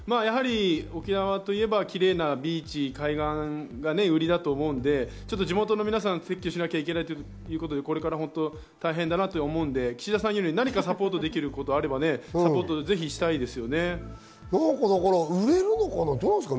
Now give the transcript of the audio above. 沖縄といえばきれいなビーチが売りだと思うんで、地元の皆さん撤去しなきゃいけないということで、これから大変だなと思うんで、岸田さんが言うように何かサポートできることがあればサポートしたいですよね。